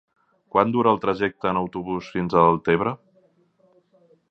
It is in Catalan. Quant dura el trajecte en autobús fins a Deltebre?